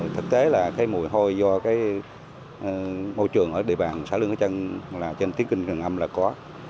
thực tế là mùi hôi do môi trường ở địa bàn xã lương thế trân trên tiếng kinh đường âm là có